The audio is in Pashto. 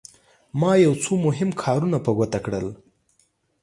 ما یو څو مهم کارونه په ګوته کړل.